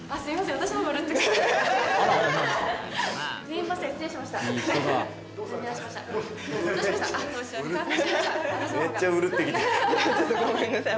私の方がちょっとごめんなさい